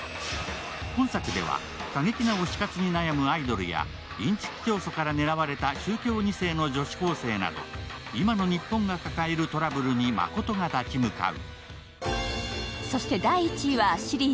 本作では過激な推し活に悩むアイドルやインチキ教組から狙われた宗教２世の女子高生など、今の日本が抱えるトラブルにマコトが立ち向かう。